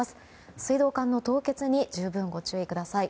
水道管の凍結に十分ご注意ください。